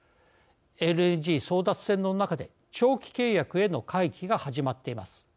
ＬＮＧ争奪戦の中で長期契約への回帰が始まっています。